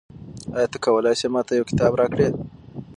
آیا ته کولای سې ما ته یو کتاب راکړې؟